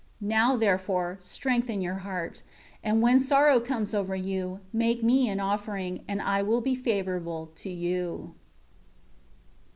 7 Now, therefore, strengthen your heart; and when sorrow comes over you, make Me an offering, and I will be favorable to you."